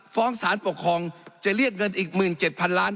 ฟ้องสารปกครองจะเรียกเงินอีก๑๗๐๐๐ล้าน